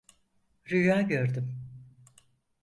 Rüya gördüm.